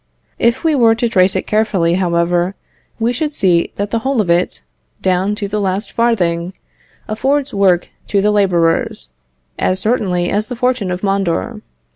If we were to trace it carefully, however, we should see that the whole of it, down to the last farthing, affords work to the labourers, as certainly as the fortune of Mondor.